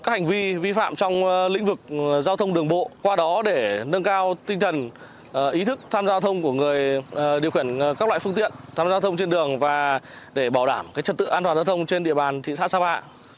các hành vi vi phạm trong lĩnh vực giao thông đường bộ qua đó để nâng cao tinh thần ý thức tham gia giao thông của người điều khiển các loại phương tiện tham gia giao thông trên đường và để bảo đảm trật tự an toàn giao thông trên địa bàn thị xã sa mạc